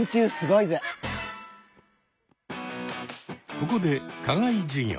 ここで課外授業！